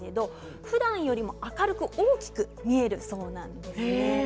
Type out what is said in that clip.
ふだんより明るく大きく見えるそうなんです。